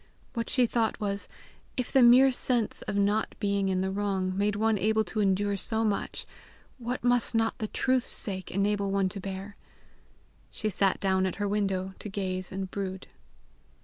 What she thought was, if the mere sense of not being in the wrong made one able to endure so much, what must not the truth's sake enable one to bear! She sat down at her window to gaze and brood.